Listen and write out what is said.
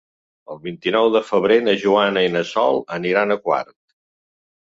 El vint-i-nou de febrer na Joana i na Sol aniran a Quart.